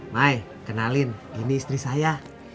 mai kenalin ini istri saya